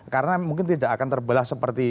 karena mungkin tidak akan terbelah seperti